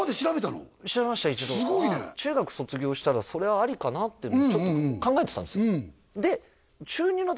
調べました一度すごいね中学卒業したらそれはありかなっていうのをちょっと考えてたんですよ